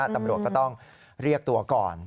ตำรวจก็ต้องเรียกตัวก่อน